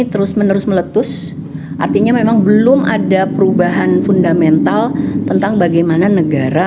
terus menerus meletus artinya memang belum ada perubahan fundamental tentang bagaimana negara